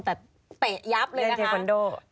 แต่เตะยับเลยนะคะ